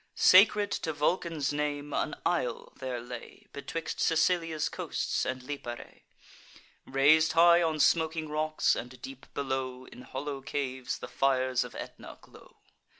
Sacred to Vulcan's name, an isle there lay, Betwixt Sicilia's coasts and Lipare, Rais'd high on smoking rocks; and, deep below, In hollow caves the fires of Aetna glow.